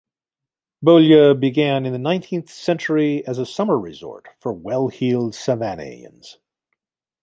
Beaulieu began in the nineteenth century as a summer resort for well-heeled Savannahians.